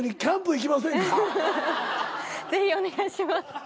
ぜひお願いします。